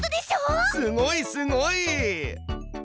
すごいすごい！